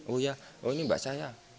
oh ya oh ini mbak saya